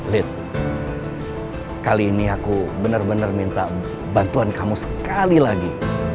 lid kali ini aku bener bener minta bantuan kamu sekali lagi